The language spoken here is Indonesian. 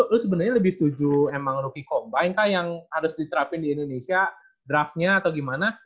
lu sebenernya lebih setuju emang rookie combine kah yang harus diterapin di indonesia draftnya atau gimana